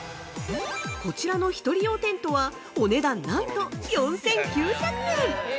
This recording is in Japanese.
こちらの１人用テントはお値段なんと４９００円！